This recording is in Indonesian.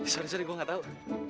sorry sorry gua gak tau